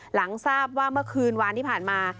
หลังทราบว่าเมื่อคืนวานที่ผ่านมา